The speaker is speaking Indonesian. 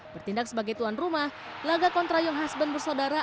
bertindak sebagai tuan rumah laga kontra yong hasben bersaudara